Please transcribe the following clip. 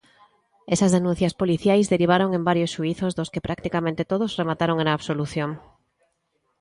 Esas denuncias policiais derivaron en varios xuízos dos que practicamente todos remataron en absolución.